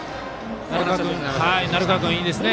鳴川君、いいですね。